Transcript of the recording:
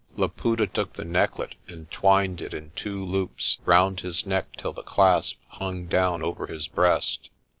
Laputa took the necklet and twined it in two loops round his neck till the clasp hung down over his breast.